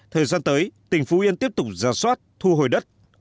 thời gian tới tỉnh phú yên tiếp tục ra soát thu hồi đất